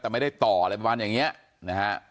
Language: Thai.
แต่ไม่ได้ต่ออะไรประมาณอย่างนี้นะฮะ